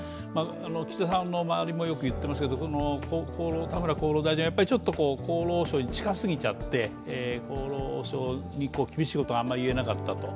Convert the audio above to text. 岸田さんの周りもよく言ってますけど田村厚労大臣は厚労省に近過ぎちゃって厚労省に厳しいことがあんまり言えなかったと。